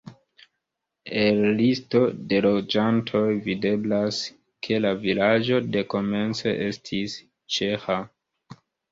El listo de loĝantoj videblas, ke la vilaĝo dekomence estis ĉeĥa.